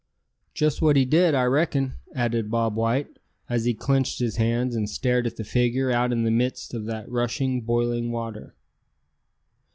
"Just what he did, I reckon!" added Bob White, as he clenched his hands, and stared at the figure out in the midst of that rushing, boiling water.